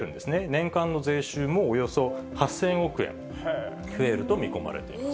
年間の税収も、およそ８０００億円増えると見込まれています。